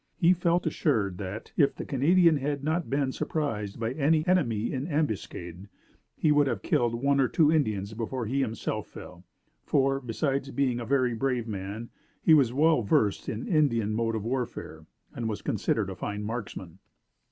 He felt assured that, if the Canadian had not been surprised by any enemy in ambuscade, he would have killed one or two Indians before he himself fell; for, besides being a very brave man, he was well versed in Indian mode of warfare, and was considered a fine marksman.